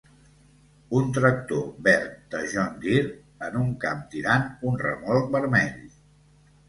un tractor verd de John Deere en un camp tirant un remolc vermell.